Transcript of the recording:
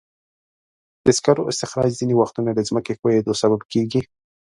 د سکرو استخراج ځینې وختونه د ځمکې ښویېدلو سبب کېږي.